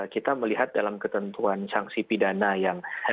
kita melihat dalam ketentuan sanksi pidana yang